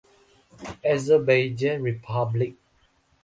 Azerbaijan Republic.